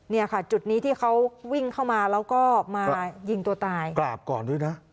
เนี่ยค่ะจุดนี้ที่เขาวิ่งเข้ามาแล้วก็มายิงตัวตายกราบก่อนด้วยนะ